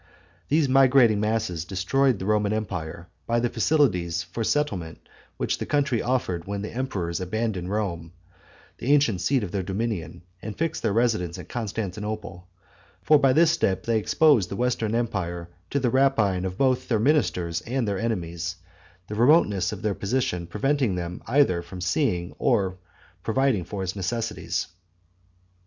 These migrating masses destroyed the Roman empire by the facilities for settlement which the country offered when the emperors abandoned Rome, the ancient seat of their dominion, and fixed their residence at Constantinople; for by this step they exposed the western empire to the rapine of both their ministers and their enemies, the remoteness of their position preventing them either from seeing or providing for its necessities.